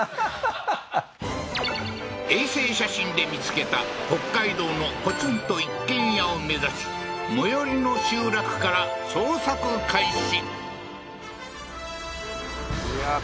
ははははっ衛星写真で見つけた北海道のポツンと一軒家を目指し最寄りの集落から捜索開始